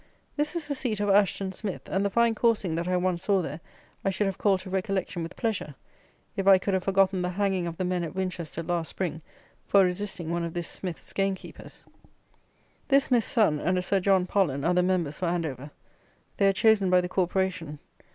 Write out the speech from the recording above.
This is the seat of Asheton Smith; and the fine coursing that I once saw there I should have called to recollection with pleasure, if I could have forgotten the hanging of the men at Winchester last Spring for resisting one of this Smith's game keepers! This Smith's son and a Sir John Pollen are the members for Andover. They are chosen by the Corporation.